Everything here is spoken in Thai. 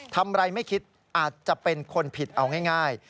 ทำอะไรไม่คิดอาจจะเป็นคนผิดเอาง่าย